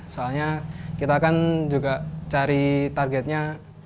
soalnya kita kan juga cari targetnya